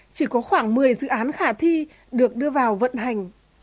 chỉ có khoảng một mươi dự án khả thi được đưa vào vận hành